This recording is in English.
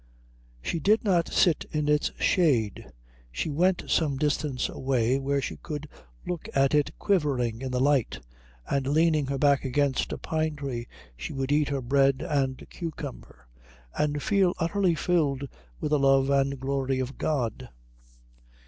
She did not sit in its shade; she went some distance away where she could look at it quivering in the light, and leaning her back against a pine tree she would eat her bread and cucumber and feel utterly filled with the love and glory of God.